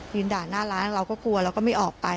ด่าหน้าร้านเราก็กลัวเราก็ไม่ออกไป